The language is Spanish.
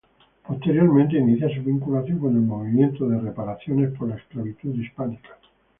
Posteriormente inicia su vinculación con el movimiento de reparaciones por la esclavitud hispánica.